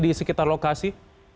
di sekitar lokasi